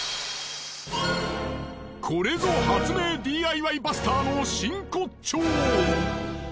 これぞ発明ＤＩＹバスターの真骨頂。